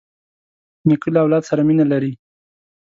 نیکه له اولاد سره مینه لري.